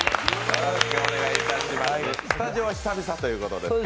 スタジオは久々ということで。